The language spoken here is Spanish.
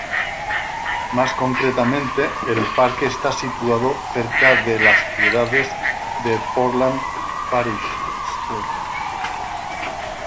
Más concretamente el parque está situado cerca las ciudades de Portland Parish, St.